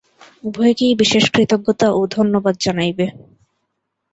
উভয়কেই বিশেষ কৃতজ্ঞতা ও ধন্যবাদ জানাইবে।